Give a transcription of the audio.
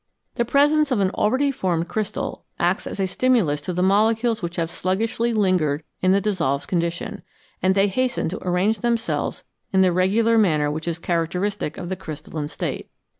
The presence of an already formed crystal acts as a stimulus to the molecules which have sluggishly lingered in the dissolved condition, and they hasten to arrange themselves in the regular manner which is characteristic of the crystalline state.